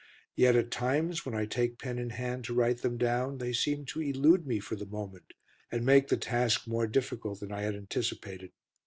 Yet at times, when I take pen in hand to write them down, they seem to elude me for the moment, and make the task more difficult than I had anticipated.